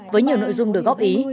với nhiều nội dung được góp ý